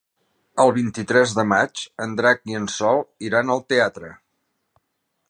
El vint-i-tres de maig en Drac i en Sol iran al teatre.